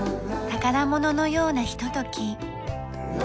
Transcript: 宝物のようなひととき。